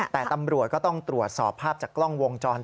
แต่ตำรวจก็ต้องตรวจสอบภาพจากกล้องวงจร